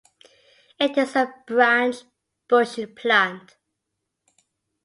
It is a branched, bushy plant.